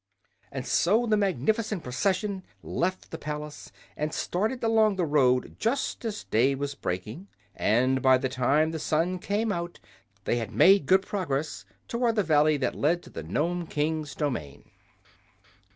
And so the magnificent procession left the palace and started along the road just as day was breaking, and by the time the sun came out they had made good progress toward the valley that led to the Nome King's domain.